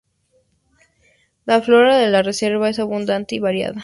La flora de la reserva es abundante y variada.